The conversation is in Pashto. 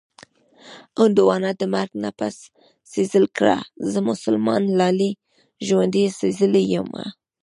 هندوان د مرګ نه پس سېزل کړي-زه مسلمان لالي ژوندۍ سېزلې یمه